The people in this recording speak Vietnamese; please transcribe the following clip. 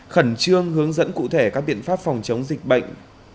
khẩn trương hướng dẫn cụ thể các biện pháp phòng chống dịch bệnh